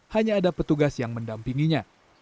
hanya ada petugas yang mendampinginya